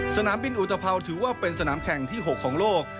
สนามบินอุตภัวร์ถือว่าเป็นสนามแข่งที่๖ของโลก